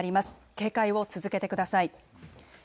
警戒を続けてください。